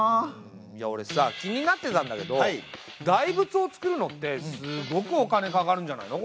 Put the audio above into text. いやおれさ気になってたんだけど大仏を造るのってすごくお金かかるんじゃないの？